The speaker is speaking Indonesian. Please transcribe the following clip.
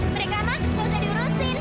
mereka mah gak usah diurusin